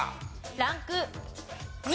ランク２。